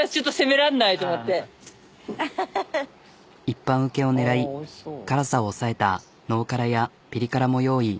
一般受けを狙い辛さを抑えたノー辛やピリ辛も用意。